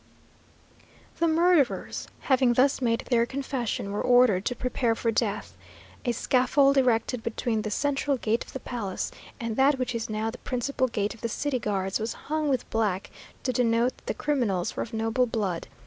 The murderers having thus made their confession, were ordered to prepare for death. A scaffold erected between the central gate of the palace, and that which is now the principal gate of the city guards, was hung with black to denote that the criminals were of noble blood.